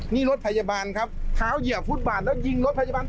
นี่รถพยาบาลครับเท้าเหยียบฟุตบาทแล้วยิงรถพยาบาล